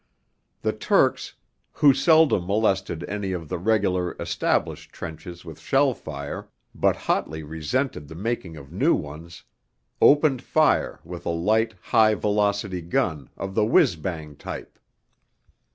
The Turks, who seldom molested any of the regular, established trenches with shell fire, but hotly resented the making of new ones, opened fire with a light high velocity gun, of the whizz bang type.